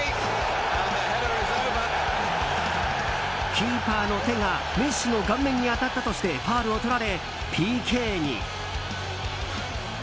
キーパーの手がメッシの顔面に当たったとしてファウルをとられ、ＰＫに。